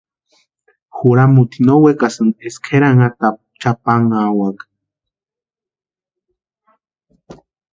Juramuti no wekasïnti eska kʼerati anhatapu chʼapanhawaka.